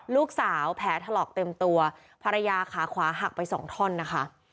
ลูกสาวแผลถลอกเต็มตัวภรรยาขาขวาหักไปสองท่อนนะคะ